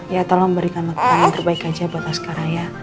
ya tolong berikan makanan terbaik aja buat askara ya